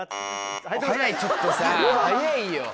ちょっとさ早いよ。